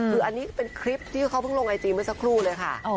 คืออันนี้เป็นคลิปที่เขาเพิ่งลงไอจีเมื่อสักครู่เลยค่ะ